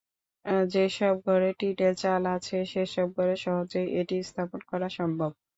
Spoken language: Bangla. যেসব ঘরে টিনের চাল আছে, সেসব ঘরে সহজেই এটি স্থাপন করা সম্ভব।